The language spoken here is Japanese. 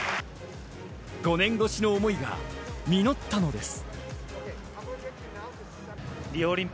５年越しの思いが実ったのです。